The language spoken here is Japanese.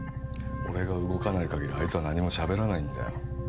俺が動かないかぎりあいつは何もしゃべらないんだよ